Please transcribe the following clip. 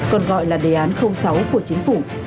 còn gọi là đề án sáu của chính phủ